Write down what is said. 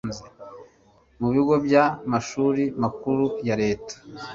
mu bigo by amashuri makuru ya Leta